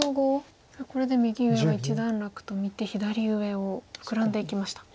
さあこれで右上は一段落と見て左上をフクラんでいきました。